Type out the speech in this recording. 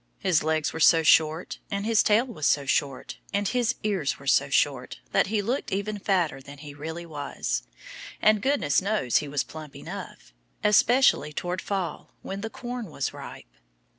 His legs were so short and his tail was so short and his ears were so short that he looked even fatter than he really was. And goodness knows he was plump enough especially toward fall when the corn was ripe.